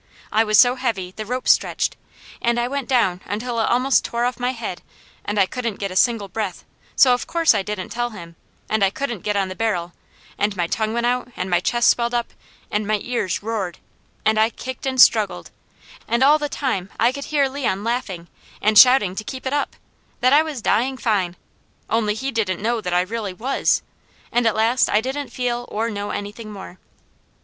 I was so heavy, the rope stretched, and I went down until it almost tore off my head, and I couldn't get a single breath, so of course I didn't tell him, and I couldn't get on the barrel, and my tongue went out, and my chest swelled up, and my ears roared, and I kicked and struggled, and all the time I could hear Leon laughing, and shouting to keep it up, that I was dying fine; only he didn't know that I really was, and at last I didn't feel or know anything more.